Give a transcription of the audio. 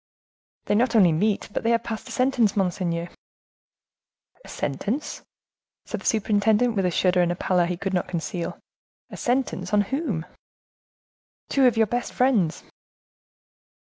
"They not only meet, but they have passed a sentence, monseigneur." "A sentence?" said the superintendent, with a shudder and pallor he could not conceal. "A sentence!—and on whom?" "Two of your best friends."